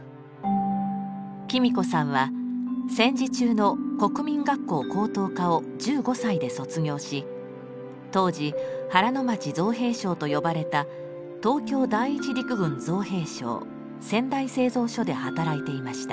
喜美子さんは戦時中の国民学校高等科を１５歳で卒業し当時原町造兵廠と呼ばれた東京第一陸軍造兵廠仙台製造所で働いていました。